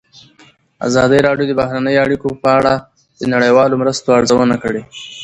ازادي راډیو د بهرنۍ اړیکې په اړه د نړیوالو مرستو ارزونه کړې.